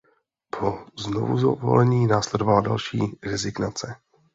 Po znovuzvolení následovala další rezignace.